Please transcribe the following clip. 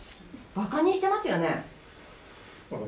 馬鹿にしていますよね？